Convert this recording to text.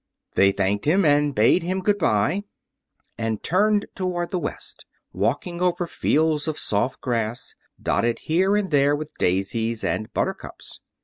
They thanked him and bade him good bye, and turned toward the West, walking over fields of soft grass dotted here and there with daisies and buttercups.